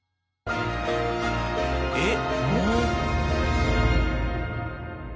えっ？